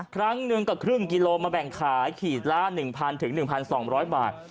ครั้งหนึ่งก็ครึ่งกิโลมาแบ่งขายขีดละ๑๐๐๑๒๐๐บาท